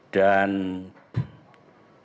dan hari ini